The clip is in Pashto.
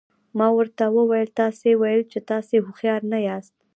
ما ورته وویل تاسي ویل چې تاسي هوښیار نه یاست.